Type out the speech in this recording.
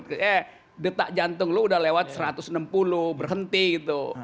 eh detak jantung lo udah lewat satu ratus enam puluh berhenti gitu